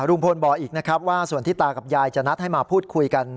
ลุงพลบอกอีกนะครับว่าส่วนที่ตากับยายจะนัดให้มาพูดคุยกัน